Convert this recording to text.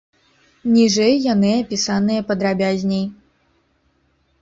Ніжэй яны апісаныя падрабязней.